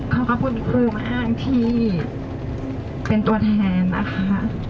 ขอบคุณครูมากที่เป็นตัวแทนนะคะ